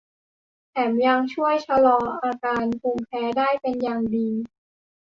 แถมยังช่วยลดอาการภูมิแพ้ได้เป็นอย่างดี